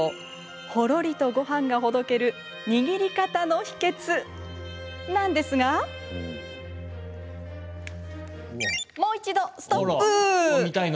ほろりとごはんがほどける握り方の秘けつなんですがもう一度、ストップ。